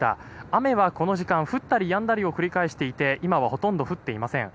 雨はこの時間降ったりやんだりを繰り返していて今はほとんど降っていません。